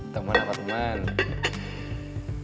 teman apa itu mana